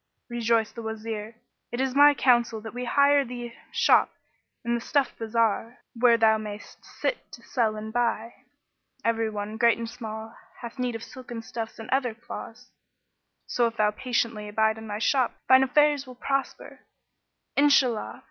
Rejoined the Wazir "It is my counsel that we hire thee a shop in the stuff bazar, where thou mayst sit to sell and buy. Every one, great and small, hath need of silken stuffs and other cloths; so if thou patiently abide in thy shop, thine affairs will prosper, Inshallah!